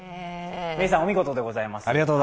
メイさん、お見事でございます。